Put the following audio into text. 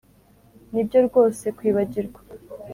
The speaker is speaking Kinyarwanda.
nibyo rwose kwibagirwa